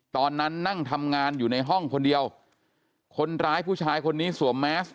ตอนนั้นนั่งทำงานอยู่ในห้องคนเดียวคนร้ายผู้ชายคนนี้สวมแมส